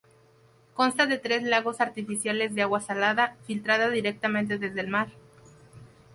Consta de tres lagos artificiales de agua salada, filtrada directamente desde el mar.